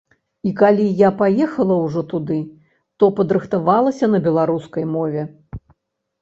І калі я паехала ўжо туды, то падрыхтавалася на беларускай мове.